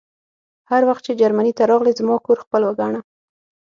هر وخت چې جرمني ته راغلې زما کور خپل وګڼه